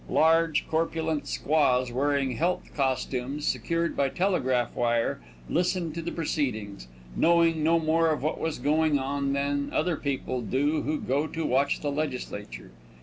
Large, corpulent squaws, wearing health costumes, secured by telegraph wire, listened to the proceedings, knowing no more of what was going on than other people do who go to watch the legislature.